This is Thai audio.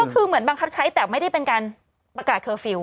คือเหมือนบังคับใช้แต่ไม่ได้เป็นการประกาศเคอร์ฟิลล